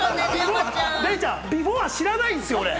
デイちゃん、ビフォー知らないんですよ。